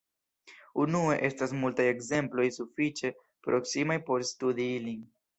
Unue, estas multaj ekzemploj sufiĉe proksimaj por studi ilin.